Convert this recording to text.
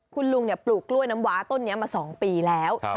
คุณลุงปลูกกล้วยน้ำว้าต้นนี้มา๒ปีแล้ว